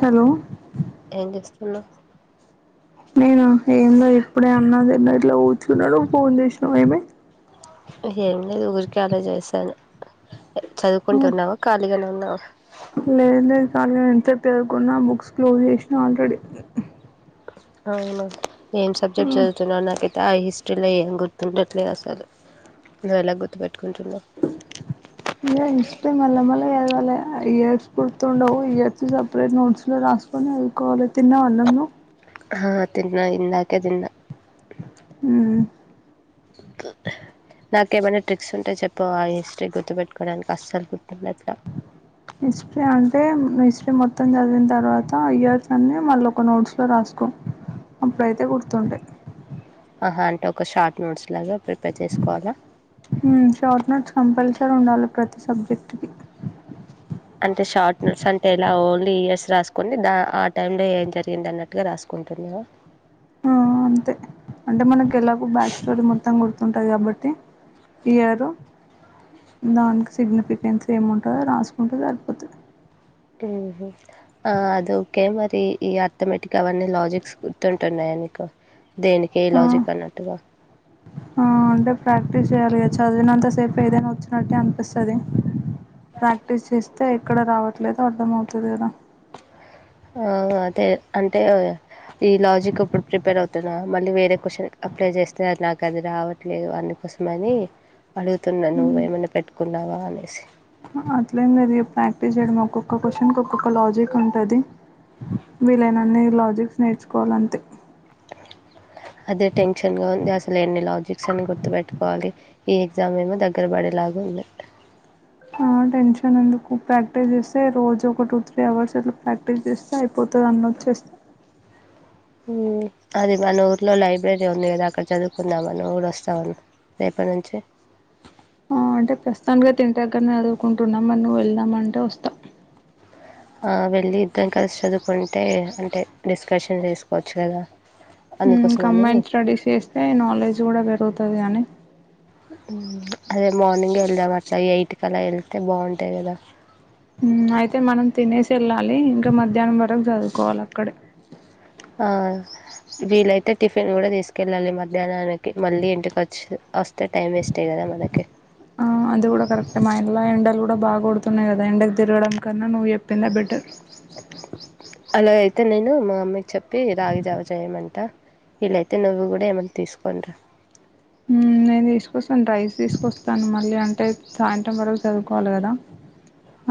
Hello hello నేన ఏందో ఇప్పుడే అన్నాదిన్న ఇట్లా ఊర్చుకున్నాడు ఫోన్ చేసినాము ఏమే ఏం లేదు ఊరికే అలా చేసాను చదువుకుంటున్నావా ఖాళీగానే ఉన్నావా పర్లేదు నేను ఇంతసేపు చదువుకున్నా బుక్స్ క్లోజ్ చేసినా ఆల్రెడీ అవునా ఏం సబ్జెక్ట్ చదువుతున్నా నాకైతే ఆ హిస్టరీ [unintelligible] ఏం గుర్తుండట్లేదు అసలు నువవు ఎలా గుర్తు పెెట్టుకుంటున్నావు ఇ హిస్టరీ మళ్ళ మళ్ళ చదవల్ల ఇయర్స్ గుర్తు తుండవు ఇయర్స్ సపరేట్ నోట్స్ లో రా [unintelligible] తిన్న వా నన్ను హ తిన్నా ఇందా కే తిన్న హ్మ్ము [inaudible] నాకేమైనా ట్రిక్స్ ఉంటే చెప్పవా ఆ హిస్టరీ గుర్తుపెట్టుకోవడానికి అస్సలు గుర్తుండట్లే హిస్టరీ అంటే హిస్టరీ మొత్తం చదివిన తర్వాత ఇయర్స్ అన్ని మళ్ళ ఒక నోట్స్ లో రాస్త సుకో అప్పుడైతే గుర్తుంటాయి ఆహా అంటే ఒక షార్ట్ నోట్స్ లాగా ప్రిపేర్ చేసుకోవాలా షార్ట్ నోట్స్ కంపల్సరీ ఉండాలి ప్రతి శబ్దం అంటే షార్ట్ నోట్స్ అంటే ఇలా ఓన్లీ ఇయర్స్ రాసుకొని ద ఆ టైమ్ లో ఏం జరిగింది అన్నట్టుగా రాసుకో ఉంటుందివా ఆ అంతే అంటే మనకు ఎలాగు బ్యాక్ స్టోరీ మొత్తం గుర్తుంటంది కాబట్టి ఇయరు దానికి సిగ్నిఫికెన్స్ ఏముంటుందో రాసుకుంటే సరిపోతుంది ఆ అద ఓకే మరి ఈ ఆర్థమేటిక్ అవన్నీ లాజిక్స్ గుర్తుంటున్నాయడి ని దేనికి ఆ లాజిక్ అన్నట్టు చేయాలిగా చదివినంతా సేఫ్ ఏదైనా వచ్చినట్టు అనిపిస్తుంది ప్రాక్టీస్ చేస్త తే ఇక్కడ రావట్లే అర్థమవుతాదేమో ఆ అదే అంటే ఈ లాజిక్ ఇప్పుడు ప్రిపేర్ అవుతనా మళ్ళీ వేరే క్వశ్చన్ అప్లై చేస్తే అది నాకు అది రావట్లేదు అందుకోసమ అని అడుగుతున్నా నువ్వు ఏమైన్నా పెట్టుకున్నావా అనేసి అట్లేం లేదు ఇగ ప్రాక్టీస్ చేయడం ఒక్కొక్క క్వశ్చన్కి ఒక్కొక్క లాజిక్ ఉంటుంది వీలైన అన్ని లాజిక్ నేర్చుకోవాలింతే అదే టెన్షన్‌గా ఉంది. అసలు ఎన్ని లాజిక్స్ అని గుర్తుపెట్టుకోవాలి. ఈ ఎగ్జామ్ ఏమో దగ్గర పడేలాగా ఉంది ఆ టెన్షన్ ఎందుకు ప్రాక్టీస్ చేస్తే రోజు ఒక టూ త్రీ అవర్స్ అట్లా ప్రాక్టీస్ చేస్తే అయిపోతు [unintelligible] అన్న వచ్చేస్త అ హ్మ్మ్ అది మన ఊర్లో లై లైబ్రరీ ఉంది కదా అక్కడ చదువుకుందామని ఊరు వస్తామ రేపటి నుంచి అంటే ప్రస్తుతానికి తఇంటి దగ్గర చదువుకుంటున్నాం మన్న వెళ్దామ అంటే వస్తాం వెళ్ళి ఇద్దాం కలిసి చదువుకుంటే అంటే డిస్కషన్ చేసుకోవచ్చు కదా అందుకోసం అని కంబైన్ స్టడీస్ చేస్తే నాలెడ్జ్ కూడా పెరుగుతుంది కానీ అదే మార్నింగ్ వెళ్దాం అట్లా ఎయిట్కి అలా వెళ్తే బాగుంటాయి కదా అయితే మనం తినేసి వెళ్ళాలి ఇంకా మధ్యాహ్నం వరకు చదువుకోవాలి అక్కడే ఆ వీళ్లైతే టిఫిన్ కూడా తీసుకెళ్ళాలి మధ్యాహ్నానికి ఓ మళ్ళీ ఇంటికి వచ్చి వస్తే టైం వేస్ట్ అయ్య కదా మనకి ఆ అది కూడా కరెక్టే మా ఇంట్లో ఎండలు కూడా బాగా కొడుతున్నాయ్ కదా ఎండకి తిర గడం కన్నా నువ్వు చెప్పిందే బెటర్ ఇలాగయితే నేను మా అమ్మీకి చెప్పి రాగి జావ చేయమంట వీలయితే నువ్వు కూడా ఏమన్నా తీసుకోండ్ర ఉమ్ నేను తీసుకొస్తాను రైస్ తీసుకొస్తాను మళ్ళీ అంటే సాయంత్రం వరకు చదువుకోవాలి కదా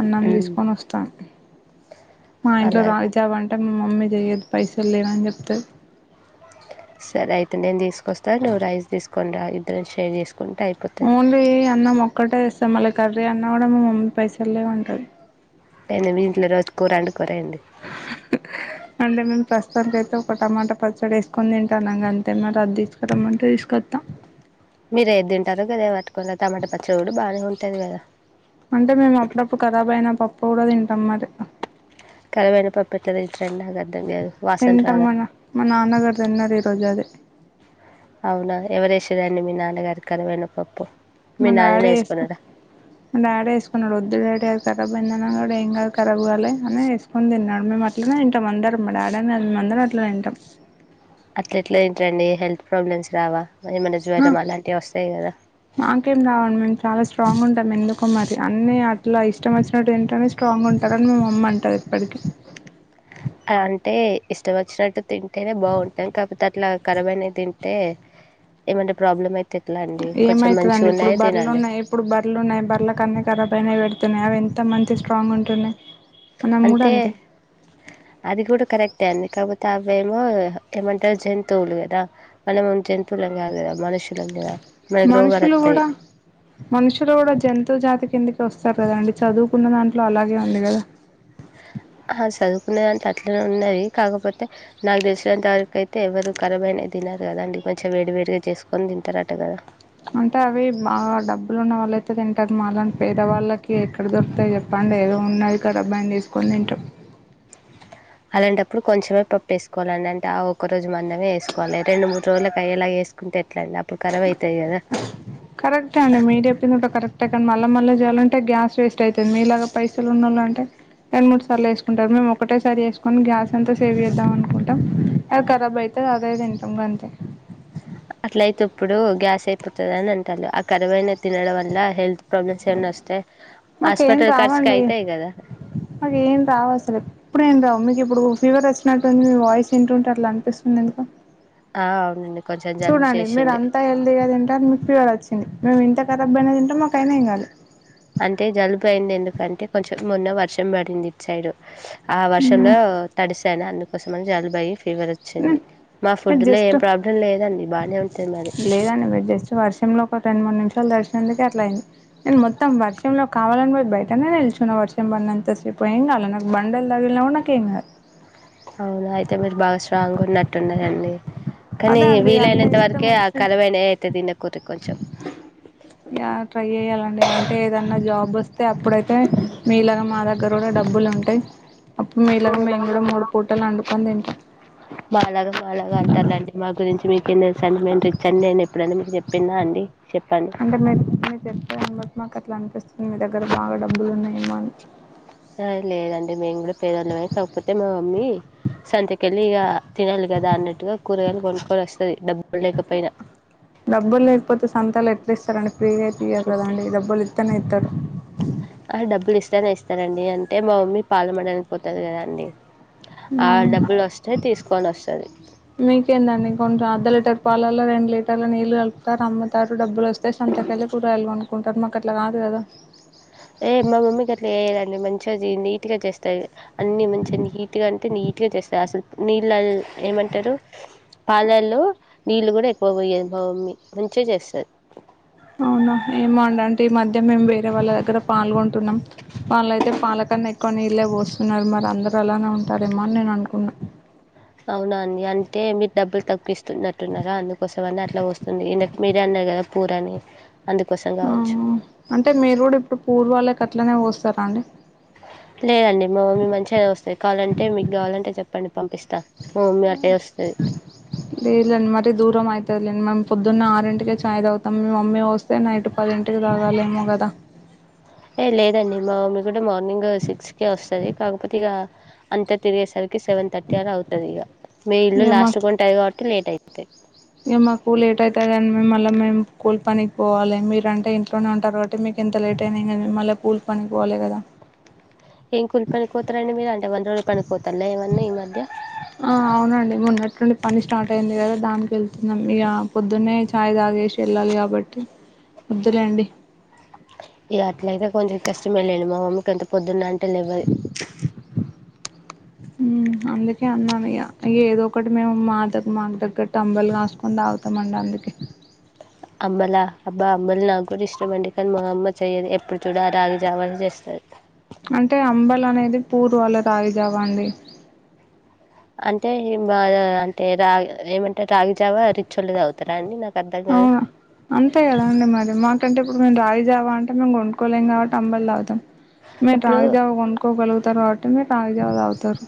అన్నం ఉమ్, తీసుకొని వస్తాం మా ఇంట్లో అలా రాగి జావా అంటే మా మమ్మీ చేయదు పైసలు లేవని చెప్తది సరే అయితే నేను తీసుకొస్తా నువ్వు రైస్ తీసుకొని రా ఇద్దరం షేర్ చేసుకుందాం ఓన్లీ అన్నం ఒక్కటే తెస్తా మళ్లీ కర్రీ అన్న కూడా మా మమ్మీ పైసలు లేవు అంటది అయినా మీ ఇంట్లో రోజు కూర వండుకోరా ఏంది అంటే మేము ప్రస్తుతానికి అయితే ఒక టమాటా పచ్చడి వేసుకని తింటాను ఇగా అంతే మరి అది తీసుకరమ్మంటే తీసుకొ వద్ద మీరే తింటారో గాదే పట్టుకారా టమాటా పచ్చడి కూడా బాగానే ఉంటది కదా పోరా తింటాం మరి కరువైన పప్పు ఎట్లా తెచ్చినా నాకు అర్థం కాదు వాసన తింటాం రాదా అనా మా నాన్నగారు తిన్నారు ఈ రోజు అదే అవునా ఎవరేసేదండి మీ నాన్నగారి కరువైనపప్పు మా డాడీ వేసు మా డాడీ వేసుకున్నాడు వద్దు డాడీ అంటే కరమైందా అని అన్నాడు ఏం కాదు కరాబ్ కాలే అని వేసుకొని తినదు మేము అట్లనే తింటాం అందరం మా డాడీ అనా అందరం అట్లనే తింటాం అట్లెట్ల తింటరండి హెల్త్ ప్రాబ్లమ్స్ రావా ఏమైనా జ్వరం అలాంటివి వస్తాయి కదా మాకేం రావండి మేము చాలా స్ట్రాంగ్ ఉంటాము ఎందుకో మరి అన్నీ అట్లా ఇష్టం వచ్చినట్టు తింటేనే స్ట్రాంగ్ ఉంటారుని మా మమ్మీ అంటారు ఇప్పటికీ అంటే ఇష్టం వచ్చినట్టు తింటేనే బాగుంటాంది కాకపోతే అట్లా కరాబ్ అయినాయి తింటే ఏమన్నా ప్రాబ్లం అయి ఏమైతది అండి ఇప్పుడు బర్రలున్నాయి ఇప్పుడు బర్రలున్నాయి బర్లకు అని కరాబ్ అయినాయి పెడుతు న్నాయి అవి ఎంత మంది స్ట్రాంగ్ ఉంటున్నాయి మనం కూడా అంటే అంతే అది కూడా కరెక్ట్ అే అన్ని కాకపోతే అవేఏమో ఏమంటారు జంతువులు కదా మనము జంతువులు కాదుకదా మనుషు మనుషులు కూడా మనుషులు కూడా జంతు జాతి కిందికి వస్తారు కదండి చదువుకున్న దాంట్లో అలాగే ఉంది కదా అ ఆ చదువుకున్న దాంట్లో అట్లనే ఉన్నది కాకపోతే నాకు తెలిసినంతవరకు అయితే ఎవరు ఖరాబ్ అయినయి తిన్నారు కదా అండి మంచిగా వేడి వేడిగా చేసుకొని తింటారట కదా అంటే అవి బాగా డబ్బులు ఉన్న వాళ్ళ అయితే తింటారు మాలటి పేదవాళ్ళకి ఎక్కడ దొరుకుతాయి చెప్పండి ఏదో ఉన్నది కడబ్బాయిని తీసుకోని తింటాం అలాంటప్పుడు కొంచెమే పప్పు వేసుకోవాలి అంటే ఆ ఒక రోజు మందమే వేసుకోవాలి రెండు మూడు రోజుల అ్యేలా వేసుకు గట్ల అయిందా కరెక్టే అండి మీరు చెప్పింది కూడా కరెక్టే అక్కడ మళ్ళా మళ్ళా చేయాలంటే గ్యాస్ వేస్ట్ అయితది మీలాగా పైసలు ఉనోలు అంటే రెండు మూడు సార్లు చేసుకుంటారు మేము ఒకటేసారి చేసుకొని గ్యాస్ అంతా సేవ్ చేద్దాం అనుకుంటాం అది రాబ్ అయి అ అదై తింటాం గంతే అట్లయితే ఇప్పుడు గ్యాస్ అయిపోతుంది అని అంటారు ఆ కరాబ్ అయినాయి తినడం వల్ల హెల్త్ ప్రాబ్లమ్ చెన్నై వస్తే మాకేం హాస్పిటల్ ఖర్చుకి రావండి అయితాయి కదా మాకుేం రావు అసలు ఎప్పుడు ఏం రావు మీకు ఇప్పుడు ఫీవర్ వచ్చినట్టుంది మీ వాయిస్ వింటుంటే అట్లా అనిపిస్తుంది అందుకో ఆ అవునండి కొంచెం జలుబు చూడండి మీరు చేసింది అంత హెల్తీగా తింటారు మీకు ఫీవర్ వచ్చింది మేమెంత ఇంత కరాబైన తింటం మాకు అయినా ఏం కాలే అంటే జలుబు అయింది ఎందుకంటే కొంచెం మొన్న వర్షం పడింది ఇటు సైడు ఆ వర్షంలో తడిస్తాను అందుకోసమని జాలబాయి ఫీవర్ వచ్చింది మా మీరు ఫుడ్ లో జస్ట్ ఏం ప్రాబ్లం లేదండి బాగానే ఉంటది మాది లేదండి వెట్ జెస్ట్ వర్షంలో ఒక రెండు మూడు నిమిషాలు దడిశినందుకే అట్లా అయింది నేను మొత్తం వర్ష్ వర్షంలో కావాలని పోయి బయటనేే నిల్చున్న వర్షం బంన్నంత సేపు ఏం గాల నాకు బండలు తగిలినా గూడా నాకు ఏం కాదు అవునా అయితె మీరు బాగా స్ట్రాంగ్గ్ ఉన్నట్టున్నరండి కనీ అదే అండి అన్ని వీలైనంత ఇష్టం వరకే ఆ వచ్చినట్టు కరవైనవయితే తీనకుర్రి కొంచెం యా ట్రై యెయ్యాలండి అంటే ఏదన్నా జాబ్ వస్తే అప్పుడైతే మీలాగా మా దగ్గర ఉడ డబ్బులుంటయి అప్పుడు మీలాగా మేము కూడా మూడు పూటలు అండుకొని దింటం మాలాగా మాలాగా అంటారులేండి మా గురించి మీకేం దెల్సండి మెం రిచ్ అన్ నెన్ ఎప్పుడన మిక్ జెప్పిన్నాండి అంటే మిర్ మిర్ చెప్పేదాన్ని బట్టి మాక్ అట్లన్పిస్తుంది మీ దగ్గర బాగా డబ్బులు ఉన్నాయేమో అని అ లేదండి మేము గుడ పేదోళ్లమే కాకపోతే మా మమ్మీ సంతకెళ్ళి ఇగ తినాలి గదా అన్నట్టుగ కూరగాయలు కొన్కొని ఒస్తది డబ్బుల్ లేకపోయిన డబ్బుల్ లేకపోతె సంతల ఎట్ల ఇస్తరండి ఫ్రీగయితె ఇయ్యరు గదా అంతే అండి డబ్బులు ఇత్తనె ఇత్తర్ ఇత్తేనె ఇస్తారండి అంటే మా మమ్మీ పాలమ్మనిక్ పోతది గదా అండి ఆ డబ్బులు వస్తే తీసుకొని వస్తుంది మీకేందండి కొంత అర్ధ లీటర్ పాలల్లో రెండు లీటర్ల నీళ్లు కలుపుతరు అమ్ముతరు వస్తే సంతకెళ్ళి కూరయలు కొనుక్కుంటారు మాక్ అట్ల గాదు గద కదా ఏ మా మమ్మీ గట్ల జెయ్యదండి మంచిగ ది నీ ట్గ చేస్తది అన్నీ మంచిగ నీటిగా అంటే నీటిగా చేస్తది అసలు నీళ్ళు ఏమంటారు పాలల్లో నీళ్లు కూడ ఎక్కువ పొయ్యదు మా మమ్మీ మంచిగ చేస్తది అవునా ఏమో అండి అంటె ఈ మధ్య మెమ్ వేరే వాళ్ళ దగ్గర పాల్గొంటున్నాం వాళ్ళయితే పాల్ కన్న ఎక్కువ నీళ్ళే వోస్తున్నరు మరి అందర్ అలానే ఉంటారేమో అని నేన్ అనుకున్నా అవునా అండి అంటే మీరు డబ్బులు తక్కువ ఇస్తున్నట్టున్నారా అందుకోసం అని అట్ల పోస్తుంది ఇందక్ మీరే గద పూర్ అని అందుకోసం ఆ కావచ్చు అంటే మీరు గుడ ఇప్పుడు పూర్ వాళ్ళకి అట్లనే పోస్తారా అండి లేదండి మా మమ్మీ పండి పంపిస్తా మా మమ్మీ అట్లే వస్తది మ్హ్ లేద్లేండి మరి దూరం అయి తది లేండి మేము పొద్దున్నె ఆరింటిక్ చాయ్ దాగుతం మీ మమ్మీ వోస్తే నైట్ పదింటికి దాగాలేమో గదా ఏ లేదండి మా మమ్మీ గుడ మార్నింగ్ సిక్స్ కే ఒస్తది కాకపోతె ఇగ అంత తిరిగేసరికి సెవెన్ థర్టీ అలా అవుతదిగ మీ ఇల్లు లాస్ట్ మాకు కి ఉంటది కాబట్టి లేట్ అయిపోతది ఇగ మాకు లేట్ అయుతదని మేం మళ్ళ మేము కూల్ పనికి పోవాలి మీర్ అంటే ఇంట్లోనే ఉంటారు కాబట్టి మీ ఎంత లేట్ అయిన ఏం గని మళ్ళ పూల్ పనికి పోవాలె కదా ఏం కూలి పనికి పోతరండి మీరు అంటే వంద రోజులు పనిపోతాల్ల ఏమన్నా ఈ మధ్య అవునండి మొన్నట్టుండి పని స్టార్ట్ అయింది గద దానికి ఎళ్తున్నాం ఇగ పొద్దున్నే ఛాయ్ దాగేశి ఎళ్ళాలి గాబట్టి ఒద్దులేండి కొంజెం కష్టమే లేండి మా మమ్మీకి అంత పొద్దున్న అంటే లెవ్వది అందుకే అన్నాను ఇఅ ఏదో ఒకటి మేము మా దగ్గ్ మాకు దగ్గట్టు అంబలి గాస్కొని దాగుతమండి అ దుకే అంంలా అబ్బా అంబలి నాక్ గూడ్ ఇష్టంమండి కానీ మా అమ్మ చెయ్యదు ఎప్పుడు చూడు ఆ రాగి జావానే చేస్తది అంటే అంబల్ అనేది పూర్ వాళ్ళ రాగిజావా అండి అంటే ఏం బా అంటే రాగి ఏమంటే రాగి జావా రిచ్ ఓళ్ళు దాగుతరా అండి నా అవును అంతే గదా అండి మరి మాకంటే మేము రాగిజావా అంటే మేమ్ గొన్కోలేం కాబట్టి అంబలి దాగుతం మీరు ఇప్పుడు రాగిజావా గొన్కోగలుగు తర్ గావట్టి మిర్ రాగి జావా దాగుతరు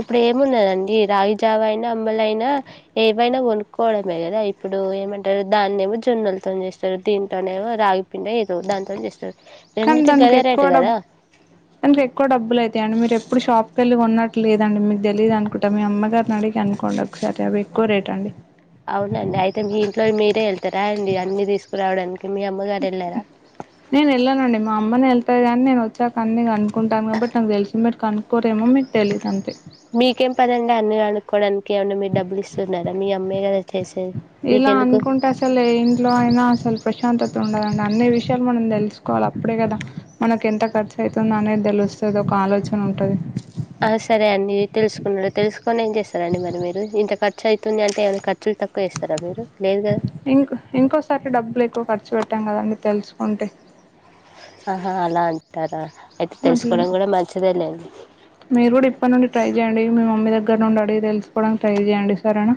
ఇప్పుడు ఏమున్నదండి రాగిజావ అయినా అంబల్ అయినా ఏవైనా వనుక్కోవడమే గదా ఇప్పుడు ఏమంటరు దాన్నీ ఏమో జొన్నల్తోని జేస్తరు దీన్నేమొ రాగి పిండి ఏదో దానితోని జేస్తరు కానీ దాన్కి ఎక్కువ డబ్బు దానికి ఎక్కువ డబ్బుల్ అయితయండి మిర్ ప్పుడు షాప్ కెళ్ళి కొన్నట్టులేదండి మీకు తెలియదు అనుకుంటా మీ అమ్మగారిని అడిగి కనుక్కోండి ఒకసారి అవి ఎక్కువ రేట్ అండి అవునండి అయితే మీ ఇంట్లో మీరే వెళ్తారా అండి అన్ని తీసుకురావడానికి మీ అమ్మగారు వెళ్ళారా నేను ఎళ్ళనండి మా అమ్మనే ఎళ్ తాది కాని నేను వచ్చాక అన్నీ కనుక్కుంటాను కాబట్టి నాకు తెలుసును మీరు కనుక్కోరేమో మీకు తెలీదు అంతే క్కోవడానికి ఏమన్నా మీరు డబ్బులిస్తున్నారా మీ అమ్మే కదా చేసేది ఇలా మీకెందుకు అనుకుంటే అసలు ఏ ఇంట్లో అయినా అసలు ప్రశాంతత ఉండదండి అన్నీ విషయాలు మనం తెలుసుకోవాలి అప్పుడే కదా మనకి ఎంత ఖర్చు అయితుంది అనేది తెలు స్తది ఒక ఆలోచన ఉంటది ఆ సరే అండి తెలుసుకున్నరు తెలుసుకొని ఏం చేస్తారండి మరి మీరు ఇంత ఖర్చు అయితుంది అంటే ఏమన్న ఖర్చు తక్కువ వేస్తారా మీరు లేదు కదా ఇంక్ ఇంకోసారికి డబ్బులు ఎక్కువ ఖర్చు పెట్టం కదండి తెలుసుకుంటే ఆహా అలా అంటారా అయితే అట్లనే తెలుసుకోవడం కూడా మంచిదే లేండి మీరు కూడా ఇప్పటి నుండి ట్రై చెయ్యండి మీ మమ్మీ ద గ్గర నుండి అడిగి తెలుసుకోవడానికి ట్రై చేయండి సరేనా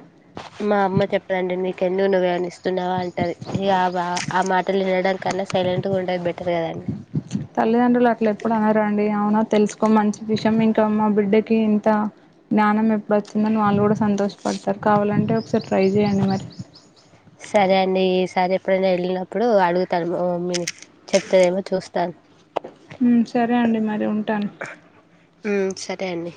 కెన్ను నువ్వేమన్నా ఇస్తున్నావా అంటాది ఇగ ఆ బా ఆ మాటలు వినడం కన్నా సైలెంట్ గా ఉండే బె తల్లిదండ్రులు అట్ల ఎప్పుడూ అనరండి అవునా తెలుసుకో మంచి విషయం ఇంకా మా బిడ్డకి ఇంత జ్ఞానం ఎప్పుడు వచ్చిందని వాళ్ళు కూడా సంతోషప ఓక్ సారి కావాలంటే ఒకసారి ట్రై చేయండి మరి సరే అండి ఈసారి ఎప్పుడైనా వెళ్ళినప్పుడు అడుగుతాను మా మమ్మిని చెప్తదేమో చూస్తాను హ్మ్ సరే అండి మరి ఉంటాను టెన్ని